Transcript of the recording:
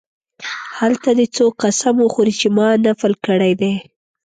هلته دې څوک قسم وخوري چې ما نفل کړی دی.